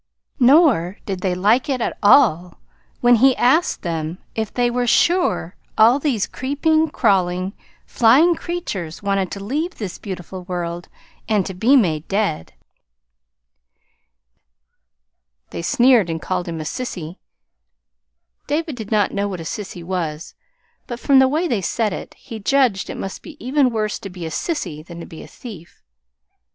Nor did they like it at all when he asked them if they were sure all these creeping, crawling, flying creatures wanted to leave this beautiful world and to be made dead. They sneered and called him a sissy. David did not know what a sissy was; but from the way they said it, he judged it must be even worse to be a sissy than to be a thief.